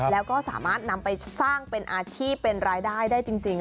แล้วก็สามารถนำไปสร้างเป็นอาชีพเป็นรายได้ได้จริง